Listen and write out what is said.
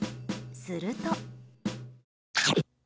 すると。